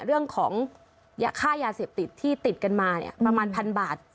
เรื่องของค่ายาเสพติดที่ติดกันมาเนี่ยประมาณพันบาท